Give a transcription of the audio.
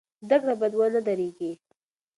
زده کړه باید ونه دریږي.